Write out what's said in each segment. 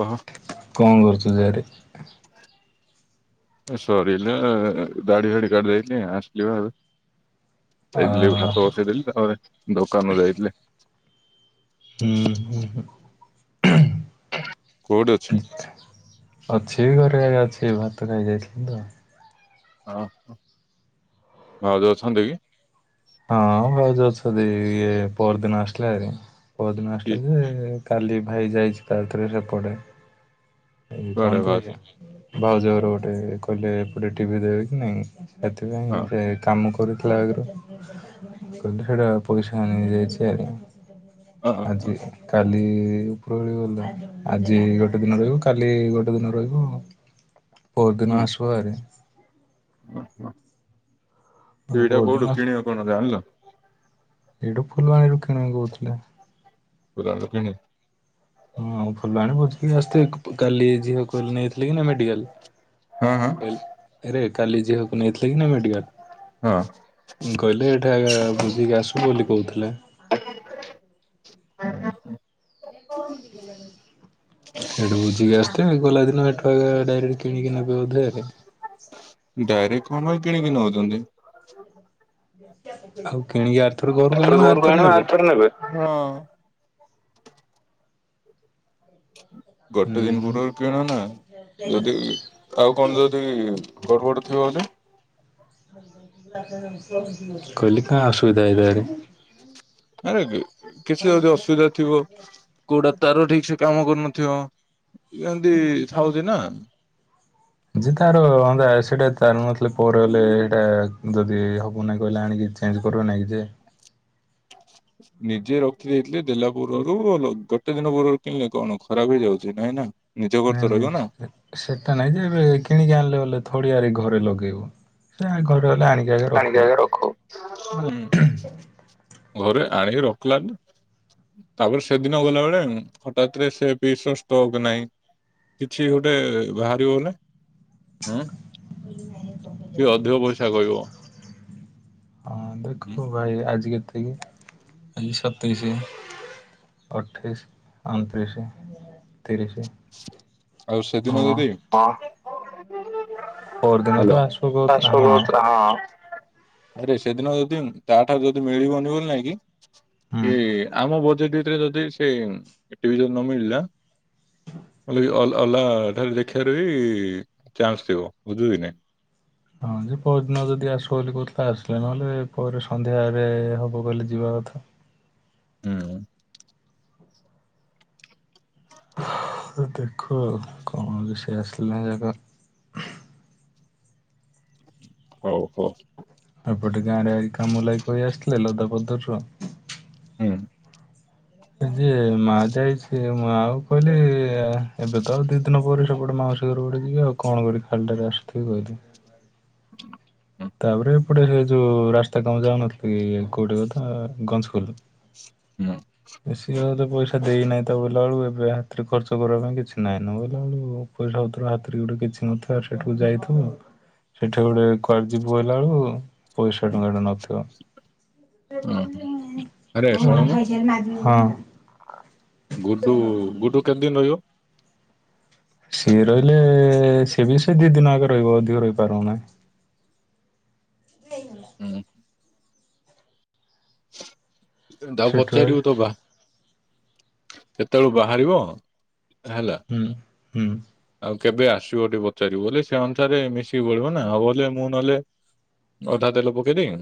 କହ। କଣ କରୁଛୁ ଯେ ହେଠୀ? ଏ ସରିଲା ଦାଢ଼ି ବାଢ଼ି କାଟିଦେଇକି ଆସିଲିଭାରି। ଆ ଆସିଲି ଭାତ ବସେଇଦେଲି ତାପରେ ଦୋକାନ ଯାଇଥିଲି। ହୁଁ ହୁଁ ହୁଁ। କୋଉଠି ଅଛ? ଅଛି ଘରେ ଆଜ୍ଞା ଅଛି ଭାତ ଖାଇ ଯାଇଥିଲି ତ। ହଁ ଭାଉଜ ଅଛନ୍ତି କି? ହଁ ଭାଉଜ ଅଛନ୍ତି ଇଏ ପରଦିନ ଆସିଲାଭାରି। ପରଦିନ କି ଆସିଲା ଯେ କାଲି ଭାଇ ଯାଇଛି ତାଥିରେ [unintelligible] ଏଇ କଣ କୁଆଡେ ଭାଉ କି ଭାଉଜ ଘର ଗୋଟେ କହିଲେ ଏପଟେ ଟିଭି ଦେବେ କି ନାଇଁ ସେଥିପାଇଁ ହଁ ସେ କାମ କରୁଥିଲା ଆଗରୁ। କହିଲେ ସେଇଟା ପଇସା ନେଇଯାଇଛି ଆଉ। ଓହ। ଆଜି କାଲି ଉପରବେଳି ଗଲୁ ଆଜି ଗୋଟେ ଦିନ ରହିବୁ କାଲି ଗୋଟେ ଦିନ ରହିବୁ ଆଉ। ପହର ଦିନ ଆସିବୁହାରୀ। ଓହୋ ମାନେ ଟିଭିଟା କୋଉଦିନ କୋଉଠୁ କିଣିବ କଣ ଜାଣିଲ? ଏଇଠୁ ଫୁଲବାଣୀରୁ କିଣିବେ କହୁଥିଲେ। ଦୋକାନରୁ କିଣିବେ? ହଁ ଫୁଲବାଣୀ ବୁଝିକ ଆସି କାଲି ଝିଅ କହିଲେ ନେଇଥିଲେ କି ନା ହଁ ହଁ ମେଡ଼ିକାଲ୍। ଆରେ କାଲି ଝିଅକୁ ନେଇଥିଲେ କି ନା ମେଡ଼ିକାଲ୍? ହଁ କହିଲେ ଏ ବୁଝିକି ଆସୁ ବୋଲି କହୁଥିଲେ। ସେଠୁ ବୁଝିକି ଆସିଥିଲି। ସେ ଗଲା ଦିନ ଏଠୁଆ ଡାଇରେକ୍ଟ କିଣିକି ନେବେ ବୋଧେ। ଡାଇରେକ୍ଟ କଣପାଇଁ କିଣିକି ନଉଚନ୍ତି? ଆଉ କିଣିକି ଆରଥର ଘରକୁ ଆଣିବ ଆରଥର ନେବେ। ହଁ। ଗୋଟେ ଦିନ ହୁଁ ପୁର୍ବରୁ କିଣ ନା ଯଦି ଆଉ କଣ ଯଦି ଘର ବଡ଼ ଥିବ ବୋଲି। କହିଲି କାହା ଅସୁବିଧା ହେଇଯାଏ। ଆରେ କିଛି ଯଦି ଅସୁବିଧା ଥିବ କୋଉଟା ତାର ଠିକ ସେ କାମ କରୁନଥିବ ଏମିତି ଥାଉଛି ନା। ଯେ ତାର ସେଇଟା ତାର ନଥିଲେ ପରେ ହେଲେ ସେଇଟା ଯଦି ହବ ନା କହିଲେ ଆଣିକି ଏଠି ଚେଞ୍ଜ କରିବେ ନେଇକି ଯେ [inaudible] ନିଜେ ରଖି ଦେଇଥିଲେ ଦେଲା ପୂର୍ବରୁ ଗୋଟେ ଦିନ ପୂର୍ବରୁ କିଣିଲେ କଣ ଖରାପ ହେଇଯାଉଚି ନାଇଁ ନା। ନିଜ ଘରେ ନାଇଁ ତ ରହିବ ନା। ନାଇଁ ସେଟା ନାଇଁ ଯେ ଏବେ କିଣିକି ଆଣିଲେ ବଲେ ଥଡିଆରେ ଘରେ ଲଗେଇବ ସେ ଘରେ ହେଲେ ଆଣି [unintelligible] ହୁଁ ଘରେ ଆଣି ରଖିଲାଠୁ। ତାପରେ ସେଦିନ ଗଲା ବେଳେ ହଠାତ୍ ରେ ସେ ବିସସ୍ତ ହବ କି ନାଇଁ। କିଛି ଗୋଟେ ବାହାରିବ ବଲେ ହୁଁ। ସିଏ ଅଧିକ ପଇସା କହିବ। ହଁ ହୁଁ ଦେଖନ୍ତୁ ଭାଇ ଆଜି କେତିକି ଆଜି ସତେଇସି। ଅଠେଇସି, ଅନତିରିଶି, ତିରିଶି। ଆଉ ସେଦିନ ହଁ ଯଦି ପରଦିନ ତ ହ୍ୟାଲୋ? ଆସିବ କହୁଥିଲା [unintelligible] ହଁ। ଆରେ ସେଦିନ ଯଦି ତା ଠାରୁ ଯଦି ମିଳିବନି ବୋଲି ନାଇଁ କି ହୁଁ। କି ଆମ ବଜେଟ୍ ଭିତରେ ଯଦି ସେ [unintelligible] ନ ମିଳିଲା ମୁଁ କହିଲି କି ଅଲ୍-ଅଲ୍ ଆ ଠାରେ ଦେଖିବାର ବି ଚାନ୍ସ ଥିବ, ବୁଝିବ କି ନାଇଁ। ହଁ ଯେ ପହଦିନ ଯଦି ଆସିବ ବୋଲି କହୁଥିଲା ଆସିଲେ ନହେଲେ ପରେ ସନ୍ଧ୍ୟା ରେ ହବ କହିଲେ ଯିବା କଥା। ହୁଁ। ତ ଦେଖ [unintelligible] ହଉ ହଉ। ଏପଟେ ଗାଁ ରେ ଆଜି କାମୁ ଲଗି କରି ଆସିଥିଲେ ଲଦା ପଦରରୁ ହୁଁ। ଯେ ମା ଯାଇଛି ମୁଁ ଆଉ କହିଲି ଏବେ ତ ଆଉ ଦି ଦିନ ପରେ ସେପଟେ ମାଉ ପଯିବି ଆଉ କଣ କର ଖାଲିଟାରେ ଆସିଥିବି କହିିବି। [inaudible] ତାପରେ ଏପଟେ ସେ ଯୋଉ ରାସ୍ତା କଣ ଯାଉନଥିଲ କି କୋଉଠି କଥା ଗଞ୍ଜକୁଲ। ହୁଁ। ବେଶୀ ତ ପଇସା ଦେଇନାହିଁ ତା ବୋଇଲାବେେଳକୁ ଏବେ ହାତରେ ଖର୍ଚ୍ଚ କରିବା ପାଇଁ କିଛି ନାହିଁ ନ ବୋଇଲା ବଳୁ ଆଉ। ପଇସା ପତର ହାତରେ ଗୋଟେ କିଛି ନଥିବ ସେଠାକୁ ଯାଇଥିବ ସେଠି ଗୋଟେ କୁଆଡେ ଯିବୁ ହେଲା ବେଳୁକୁ ପଇସା ଟଙ୍କାଟେ ନଥିବ। ହଁ, ହଁ। ଆରେ ଶୁଣୁନୁ ହଁ। ଗୁଡୁ ଗୁଡୁ କେତେ ଦିନ ରହିବ। ସିଏ ରହିଲେ ସେ ବି ସେ ଦି ଦିନ ଆଗେ ରହିବ ଅଧିକ ରହିପାରିବ ନାହିଁ। ହୁଁ। ତାକୁ ସେଠୁବେଳେ ପଚାରିବୁ ତୋ ବା କେତେବେଳୁ ବାହାରିବ ହେଲା। ହୁଁ ହୁଁ। ଆଉ କେବେ ଆସିବ ଟିକେ ପଚାରିବୁ ବୋଲେ ସେ ଅନୁସାରେ ମିଶିକି ପଳିବ ନା ହଉ ବଲେ ମୁଁ ନହେଲେ ଅଧା ତେଲ ପକେଇ ଦେଇ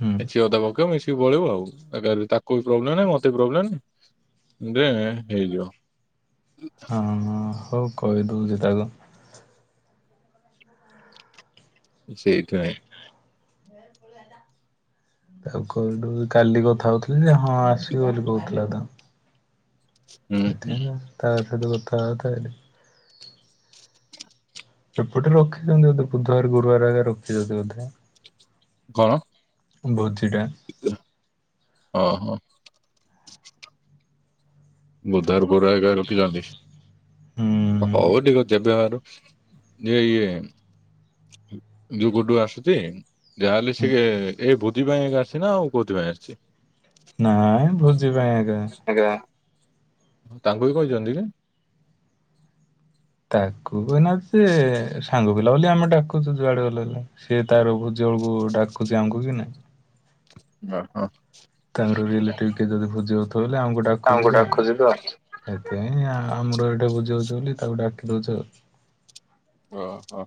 ହୁଁ କିଛି ଅଧା ପକେଇ ମିଶି ଟିକେ ପଳେଇବ ଆଉ ତାକୁ ବି ପ୍ରୋବ୍ଲେମ ନାଁ ମତେ ବି ପ୍ରୋବ୍ଲେମ୍ ନାଇଁ ଗେମେ ହେଇଯିବ। ହଁ ହଉ କହିଦଉଛି ତାକୁ। ସେଇଥି ପାଇଁ। ତାକୁ ହେଠୁ କାଲି କଥା ହଉଥିଲି ଯେ ହଁ ଆସିବି ବୋଲି କହୁଥିଲା ତ। ହୁଁ ହୁଁ। ଏଥିନାଁ ତା ସହିତ କଥା ହଉଥା ବେଲି। ଏପଟେ ରଖିଛନ୍ତି ବୋଧେ ବୁଧବାର ଗୁରୁବାର ଆଗେ ରଖିଛନ୍ତି ବୋଧେ। କଣ? ଭୋଜିଟା। ଅ ହ। ବୁଧୁବାର ଗୁରୁବାର ଏକା ରଖିଛନ୍ତି ହୁଁ ହଉ ଠିକ ଅଛି ଜେବେବାହାର। ଯେ ଇଏ ଯୁଗଡୁ ଆସୁଛି ଯାହାହେଲେ ସିଏ ଏ ବୁ ଭୋଜି ପାଇଁ ଆସିଚି ନା ଆଉ କଉଥିପାଇଁ ଆସିଛି? ନାଇଁ ଭୋଜିପାଇଁ ଆକା। ଆଜ୍ଞା ତାଙ୍କୁ ବି କହିଛନ୍ତି କି? ତାକୁ କହିନାହାନ୍ତି ଯେ ସାଙ୍ଗ ପିଲା ବୋଲି ଆମେ ଡାକୁଛୁ ଯୁଆଡେ ଗଲେ ବେଲି। ସେ ତାର ଭୋଜି ବେଳକୁ ଡାକୁଛି ଆମକୁ କି ନାଇଁ। ଅ ହ। ତାର ରିଲେଟିଭ କିଏ ଯଦି ଭୋଜି ଦଉଥିବ ବଲେ ଆମକୁ ଡାକୁଚି ତାଙ୍କୁ ତ। ଡାକୁଛି ସେଥିପାଇଁ ଆମର ଏଇଠେ ଭୂଜି ହଉଚି ବୋଲି ତାକୁ ଡାକି ଦଉଛୁ ଆଉ। ଅ ହୋ।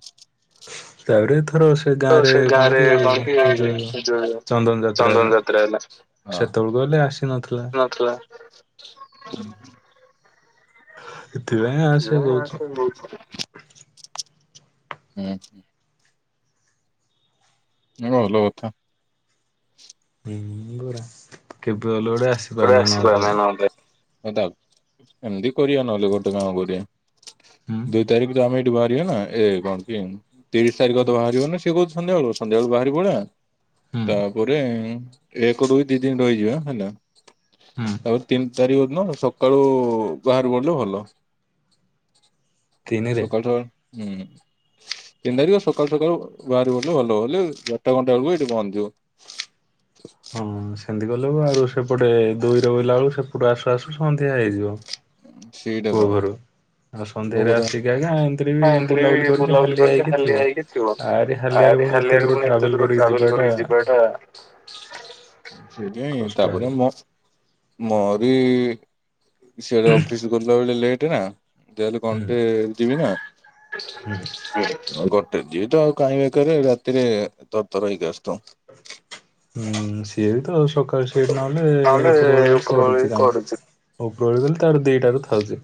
ତାପରେ ଏଥର ସେ ତ ସେ କଣ ଗାଁରେ କି କଣ କି ଯୋଉ ଚନ୍ଦନ ଯାତ୍ରା ହେଲା। ଚନ୍ଦନ ଯାତ୍ରା ହେଲା। ସେତେବେଳକୁ ହେଲେ ଆସିନଥିଲା ହଁ ନଥିଲା। ଏଥିପାଇଁ ଆସେ କହୁଛୁ। ବହୁତ୍। ହୁଁ। ନା ଭଲ କଥା। ହୁଁ ପରା କେବେ ଗଲୁ ଗୋଟେ ଆସି କେବେ ପାରୁନ ନହେଲେ। ଆସିପାରୁନି ତା ଏମିତି କରିବା ନହେଲେ ଗୋଟେ କଣ କରିବା ହୁଁ। ଦୁଇ ତାରିଖରେ ଆମେ ବାହାରିବ ନା ଏ କଣ କି ତିରିଶ ତାରିଖ ତ ବାହାରିବନି ସିଏ କହୁଚୁ ସନ୍ଧ୍ୟାବେଳୁ ସନ୍ଧ୍ୟାବେଳୁ ବାହାରିକି ପଳେଇବା। ହୁଁ ତାପରେ ଏକ ଦୁଇ ଦି ଦିନି ରହିଯିବା ହେଲା ହୁଁ ତାପରେ ତିନି ତାରିକ ଦିନ ସକାଳୁ ବାହାରି ପଡ଼ିଲେ ଭଲ। ତିନିରେ। ସକାଳ ସକାଳୁ ହୁଁ। ତିନି ତାରିଖ ସକାଳୁ ସକାଳୁ ବାହାରି ଗଲୁ ଭଲ ବୋଲି ବାରଟା ଘଣ୍ଟା ବେଳକୁ ଏଇଠି ପହଞ୍ଚିଯିବ। ହଁ ସେମତି କଲେ ଆଉ ସେପଟେ ଦୁଇରେ ବୋଇଲା ବେଳକୁ ସେପଟୁ ଆସୁ ଆସୁ ସନ୍ଧ୍ୟା ହେଇଯିବ। ସେଇଟା ପୁଅ ତ। ଘରୁ ଆଉ କଉ ସନ୍ଧ୍ୟାରେ କଥା। ଆସିକି ଆଜ୍ଞା ଏମିତିରେ ବି ଏମିତିରେ ବୁଲାବୁଲି ବି କରିକି ବୁଲାବୁଲି କରିକି ହେଇକି ଥିବ। ହାଲିଆ ହେଇକି ଥିବ। ଆରି ହାଲିଆରେ ଆରେ ପୁଣି ଏତେ ହାଲିଆରେ ଦୂର ପୁଣି ଏତେ ଟ୍ରାଭେଲ ଦୂର କରିକି ଟ୍ରାଭେଲ ଯିବାଟା କରିକି ଯିବାଟା ସେଇଥିପାଇଁ କଷ୍ଟ ତାପରେ ଆଜ୍ଞା ମୁଁ ମୋରି ସିଆଡ଼େ ଅଫିସ ଗଲାବେଳେ ଲେଟ୍ ହେଆଁ ଯାହେଲେ ହୁଁ। ଘଣ୍ଟେ ଯିବି ନା? ଗ ଯିଅ ତ ଆଉ କାହିଁକି ବେକାରେ ରାତିରେ ତର ତର ହେଇକି ଆସ ଥୁଅ। ହୁଁ ସିଏ ବି ତ ସକାଳୁ ସେଇଠି ନହେଲେ ଉପର ବେଳି କରୁଛି କାମ ଓପର ବେଳି ଗଲେ ତାର ଦିଇଟାରୁ ଥାଉଛି।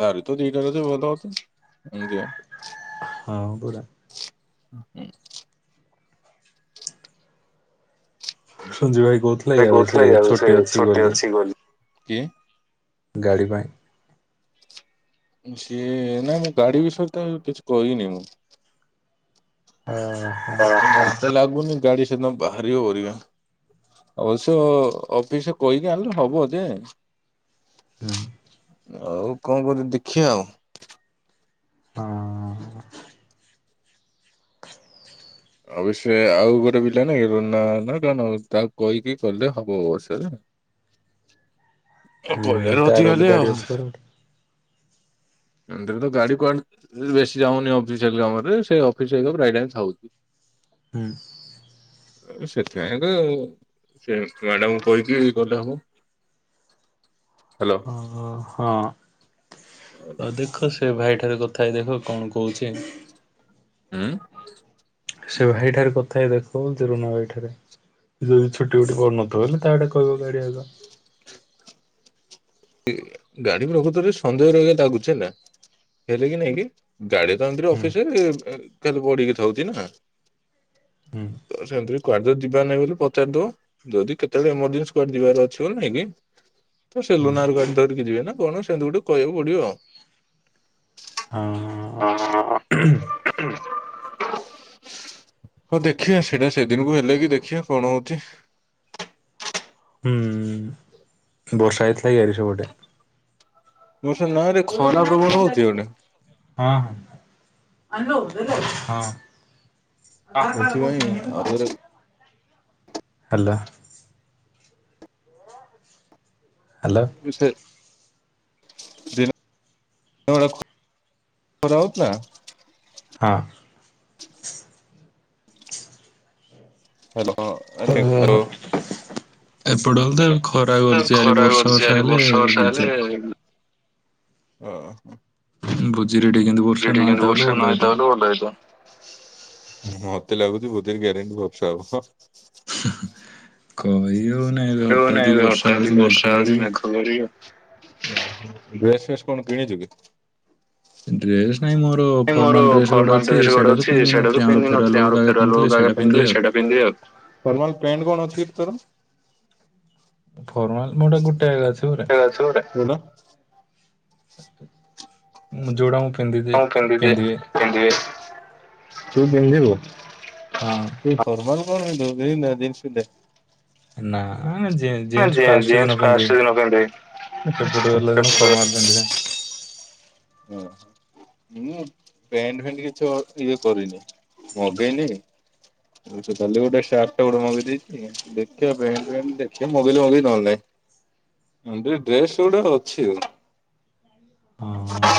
ତାରି ତ ଦିଇଟା ଅଛି ବଧ। [inaudible] ହଁ ପରା। ହ ହ। ସଞ୍ଜୁ ଭାଇ କଉଠ୍ ଭାଇ କହୁଥିଲା କି ଆଉ ସେ ଛୁଟିରେ ଅଛି ବୋଲି। କିଏ? ଗାଡ଼ି ପାଇଁ ସିଏ ନାଇଁ ମୁଁ ଗାଡି ବିଷୟରେ ତ କିଛି କହିନି ମୁଁ। ଆଁ ହା ଆଁ ହା ତ ଲାଗୁନି ଗାଡି ସେଦିନ ବାହାରିିବ ପରିକା? ଅବଶ୍ୟ ଅଫିସଏ କହିକି ଆଣିଲେ ହବ ଯେ। ହୁଁ ଆଉ କଣ କରି ଦେଖିବା ଆଉ? ହଁ ହୁଁ ଅବଶ୍ୟ ଆଉ ଗୋଟେ ପିଲା ନାଇଁ ବୁନ୍ଦାବନ ନା ତ। ନା କଣ ତାକୁ କହିକି କଲେ ହବ ଅବଶ୍ୟ ଯେ। ତମେ ହୁଁ କଇଆରୁ ତାର ଉଠି ହେଲେ ଗଲି ଗାଡି ଆଉ। ଅଛି ପରା ଗୋଟେ ଏମିତିରେ ତ ଗାଡି କୁଆଡେ ବେଶୀ ଯାଉନି ଅଫିସିଆଲି କାମରେ ସେ ଅଫିସ୍‌ ରେ ପ୍ରାୟେ ଟାଇମ୍ ଥାଉଚି। ହୁଁ। ସେଥିପାଇଁ କା ଆଉ। ସେ ଛୁଆଟାକୁ କହିକି କଲେ ହବ ହାଲୋ। ଅ ହଁ ଅଦେଖ ସେ ସେ ଭାଇଠାରେ କଥା ହେଇ ଦେଖ କଣ କହୁଚି। ଉଁ। ସେ ଭାଇ ଠାରେ କଥା ହେଇ ଦେଖ ରୁନୁ ଭାଇ ଠାରେ ଯଦି ଛୁଟି ବୁଟି ପଡୁ ନଥବ ହେଲେ ତାକୁ ଡାକ। କୋଉ ଗାଡ଼ି ଆଗ ଗାଡି ବି ପ୍ରକୃତରେ ସନ୍ଦେହ ରହିବା ଦାଗୁଛେ ହେଲା। ହେଲେ କି ନାଇଁ କି? ଗାଡି ତ ଏମିତିରେ ହୁଁ ଅଫିସରେ କାଲି ପଡିକି ଥାଉଛି ନା? ହୁଁ ତ ସେମିତି କୁଆଡେ ଯଦି ଯିବାର ନାହିଁ ବୋଲି ପଚାରି ଦଉ। ଯଦି କେତେବେଳେ ଏମଜେନ୍ସି କୁଆଡେ ଯିବାର ଅଛି ବୋଲି ନାଇଁ କି? ତ ସେ ହୁଁ। ଲୁନାର ଗାଡି ଧରି ଯିବେ ନା କଣ ସେମିତି ଗୋଟେ କହିଆକୁ ପଡିବ ଆଉ। ହ ହଉ ଦେଖିଆ ସେଇଟା ସେଦିନକୁ ହେଲେ କି ଦେଖିବା କଣ ହଉଛି ହୁ ବର୍ଷା ହେଇଥିଲା କି ଆଡେ ସେପଟେ? ବର୍ଷା ନା ରେ ଗଲୁ କି ଖରା ନାଇଁ ପ୍ରବଳ ହଉଛି ପଞ୍ଚାୟତକୁ? ଏପଟେ। ହଁ ହଁ। ହ ଆଧାର କ କହୁ ସେଥିପାଇଁ କଣ ଆଉ ହ୍ୟାଲୋ। ହାଲୋ। [unintelligible] [unintelligible] ହଁ। [unintelligible] ହଁ ତ ଖରା କରୁଚି ଆର ଖରା ବର୍ଷା କରୁଛି ବର୍ଷା ଆରେ ହେଲେ ବର୍ଷା ବିଜେ ହଁ ହ। ଭୋଜି ରେ ଟିକେ କେନ୍ତୁ ବର୍ଷେ ନହେଇ ତାତା ବଲେ ବର୍ଷା ନ ଭଲ ହେଇତା ହେଇଥାଏ। ବଲେ ଭଲ ହେଇଥିବ। ମତେ ଲାଗୁଚି ବଧେ ଗେରଣ୍ଟି ଭପସ୍ ଆବ୍। କହି ହେଉନାହିଁ ହଠାତ୍ ବର୍ଷା ହଉଚି ମେଘ ଘଡି। ଘଡି ଡ୍ରେସ୍ ଫେସ୍ କଣ କିଣିଛୁ କି? ଡ୍ରେସ ନାଇଁ ମୋର ମୋର ଫର୍ମାଲ ଡ୍ରେସ ଗୋଟେ ଫର୍ମାଲ ଅଛି ଡ୍ରେସ୍ ସେଇଟା ଗୋଟେ ତ ଅଛି ପିନ୍ଧି ସେଇଟା ନଥିଲି ଆମର ଫେରୱାଲ ପିଧୀନଥିଲି ବେଳକୁ ଆମର ଆଗେ ପିନ୍ଧିଥିଲି ଫେରୁଆଲ୍ ସେଇଟା ଆଗେ ପିନ୍ଧିବି ପିଥିଲି ଆଉ। ସେଟା ପିନ୍ଧ ଆଉର୍ମା ପଣ୍ଟ କଣ ଅଛି ତର। ଫର୍ମାଲ ମୋଟା ଗୋଟେ ଜା ଅଛି ପୁରା। [unintelligible] ଯୋଡା ମୁଁ ପିନ୍ଧି ଦିଏ ପିନ୍ଧିବେ। ପିନ୍ଧିବେ ତୁ ପିନ୍ଧିବୁ। ହଁ। ସେଇ ଫର୍ମାଲ କୁ ଦ ଦିନିସେ [unintelligible] ନାଁ ଯେ ଜିନ୍ସ ଫାଷ୍ଟ ଜିନ୍ସ ଦିନ ପିନ୍ଧେ ଫାଷ୍ଟ ଦିନ ପିନ୍ଧେ। ସେପଟେ ଗିଲ ଦିନ ଫର୍ମାଲ ପିନ୍ଧିଥାଏ। ହୁଁ। ହୁଁ ବ୍ୟାଣ୍ଡ ଫେଣ୍ଡ କିଛି ଇଏ କରିନି ମଗେଇନି। ତାହେଲେ ଗୋଟେ ସାର୍ଟ ଟା ଗୋଟେ ମେଇ ଦେଇଛି ଦେଖିବାେଣ୍ ଦେଖ ମଗେଇ ମଗେଇ ନହେଲେ ନାଇଁ। ଟେ ଡ୍ରେସ୍ ଗୋଟେ ଅଛି ଆଉ। ହଁ।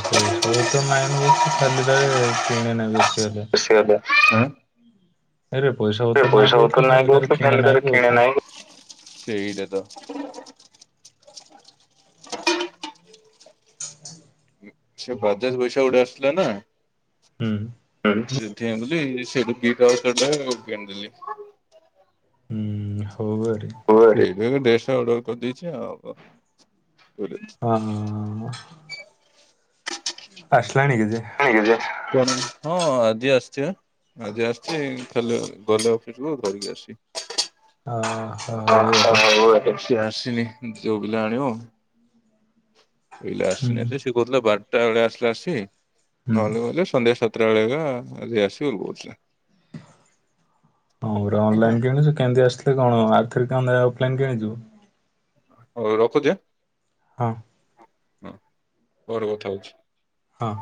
ପଇସା ତ ନାଇଁନ ବୋ ଖାଲି ଟାରେ କିଣେ ନାହି ବେଶୀ ହେଲେ। [unintelligible] ଆରେ ପଇସା ସେ ପତ୍ର ନାଇଁ ପଇସା କହୁଥିଲୁ ହ ନାଇଁ ଖାଲିଟାରେ କଉଥିଲ କିଣେ ଖଲେ ନାହିଁ ତରେ କିଣେ କହୁଛି ନାହିଁ। [unintelligible] ହ ହ ସେ ବଜାଜ୍ ପଇସା ଗୁଡା ଆସିଥିଲା ନାଁ। ହୁଁ। [unintelligible] ହୁଁ ହଉ ଭାରି। ତ ହେଇଥିପାଇଁ ଟିକେ ଡ୍ରେସଟା ଅର୍ଡର କରିଦେଇଛି ଆଉ ଅ ହଁ ଅଁ ଆସିଲାଣି କି ଯେ। ହଁ ଆଜି ଆସିଚି ବା। ଆଜି ଆସିଚି ଖାଲି ଗଲେ ଅଫିସକୁୁ ଧରିକି ଆସିବି। ଅ ହଉ ଆରେ ଆଉ ଏ ସି ଆସିନି ଯଉପିଲା ଆଣିବ ପିଲା ହୁଁ ଆସିନାଁହାନ୍ତି ସେ କହୁଥିଲା ବାରଟା ବେଳେ ଆସିଲା ଏସିକି ହୁଁ। ନହେଲେ କହୁଥିଲେ ସନ୍ଧ୍ୟା ସାତ ସାତ ଟା ବେଳ ହେଲା ଆଜି ଆସିବ କହୁଥିଲା। ହଁ ପୁରା ଅନଲାଇନ୍ କିଣିଚୁ କେନ୍ତି ଆସିଲେ କଣ ଆଉ ଥରେ କେଣ ଲାଗି ଅଫଲାଇନ୍ କିଣିଯିବୁ। ହଉ ରଖୁଚି ଆଁ। ହଁ। ହୁଁ ପରେ କଥା ହଉଚି। ହଁ।